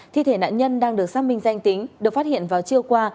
thi thể nạn nhân đang được xác minh danh tính được phát hiện vào trưa qua